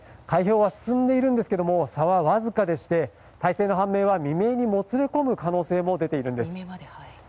開票は進んでいるんですけども差はわずかでして大勢の判明は未明にもつれ込む可能性も出ています。